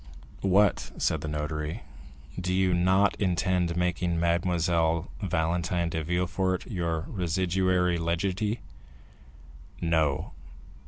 "What," said the notary, "do you not intend making Mademoiselle Valentine de Villefort your residuary legatee?" "No."